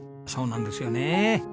そうなんですよね。